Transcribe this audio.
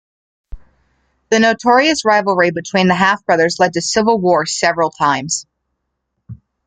The notorious rivalry between the half brothers led to civil war several times.